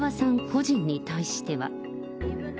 個人に対しては。